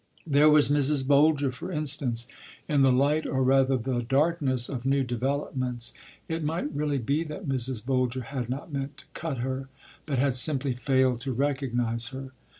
There was Mrs. Boulger, for instance. In the light, or rather the darkness, of new developments, it might really be that Mrs. Boulger had not meant to cut her, but had simply failed to recognize her.